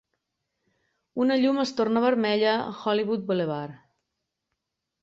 Una llum es torna vermella a Hollywood Boulevard.